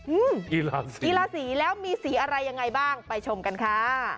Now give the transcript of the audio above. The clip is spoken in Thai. อืมกีฬาสีแล้วมีสีอะไรยังไงบ้างไปชมกันค่ะ